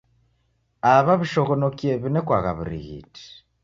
Aw'aw'ishoghonokie w'inekwagha w'urighiti.